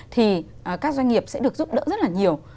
thì các doanh nghiệp sẽ được giúp đỡ rất là nhiều